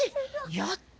やった！